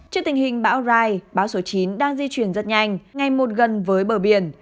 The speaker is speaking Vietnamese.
trước tình hình bão rai báo số chín đang di chuyển rất nhanh ngày một gần với bờ biển